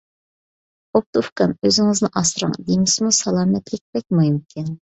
بوپتۇ ئۇكام، ئۆزىڭىزنى ئاسراڭ. دېمىسىمۇ سالامەتلىك بەك مۇھىمكەن.